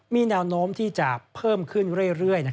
มีแนวโน้มที่จะเพิ่มขึ้นเรื่อย